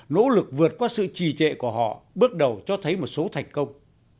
nỗ lực vượt qua sự trì trệ của họ bước đầu cho thấy một số thành công